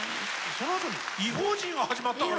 そのあと「異邦人」が始まったから。